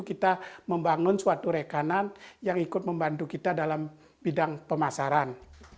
dan juga membangun suatu rekanan yang ikut membantu kita dalam bidang pemasaran